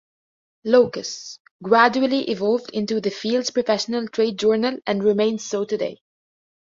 "Locus" gradually evolved into the field's professional trade journal and remains so today.